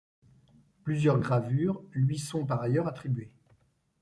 Plusieurs gravures lui sont par ailleurs attribuées.